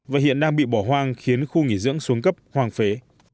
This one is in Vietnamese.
và hiện đang bị bỏ hoang khiến khu nghỉ dưỡng xuống cấp hoàng phế